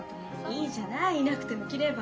いいじゃないいなくても着れば。